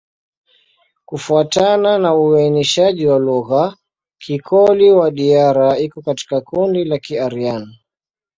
Kufuatana na uainishaji wa lugha, Kikoli-Wadiyara iko katika kundi la Kiaryan.